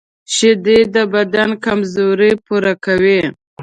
شیدې د بدن کمزوري پوره کوي